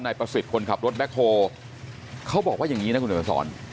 ประสิทธิ์คนขับรถแบ็คโฮเขาบอกว่าอย่างนี้นะคุณเดี๋ยวมาสอน